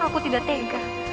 aku tidak tega